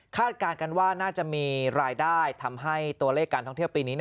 การกันว่าน่าจะมีรายได้ทำให้ตัวเลขการท่องเที่ยวปีนี้